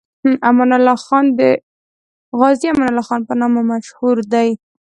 امان الله خان د غازي امان الله خان په نامه مشهور دی.